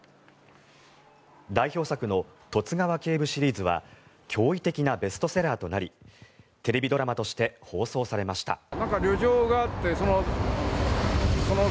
代表作の「十津川警部」シリーズは驚異的なベストセラーとなりテレビドラマとして放送されました。